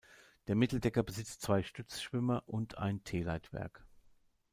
Der Mitteldecker besitzt zwei Stützschwimmer und ein T-Leitwerk.